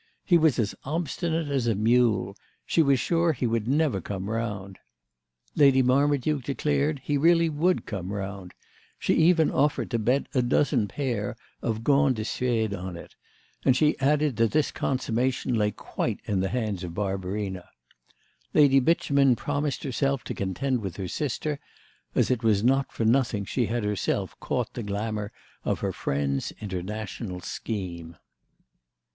He was as obstinate as a mule; she was sure he would never come round. Lady Marmaduke declared he really would come round; she even offered to bet a dozen pair of gants de Suède on it; and she added that this consummation lay quite in the hands of Barbarina. Lady Beauchemin promised herself to contend with her sister, as it was not for nothing she had herself caught the glamour of her friend's international scheme.